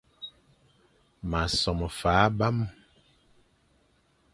M a som fa abam,